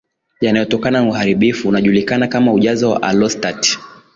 yanayotokana na uharibifu unajulikana kama ujazo wa alostati